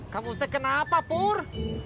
kamu kenapa pur